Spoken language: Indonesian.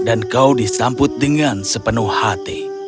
dan kau disamput dengan sepenuh hati